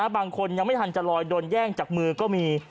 บางคนยังไม่ทันจะลอยโดนแย่งจากมือก็มี